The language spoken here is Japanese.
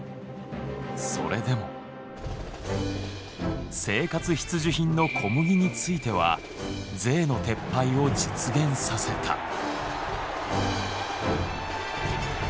それでも生活必需品の小麦については税の撤廃を実現させた。